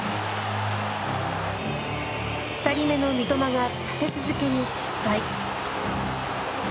２人目の三笘が立て続けに失敗。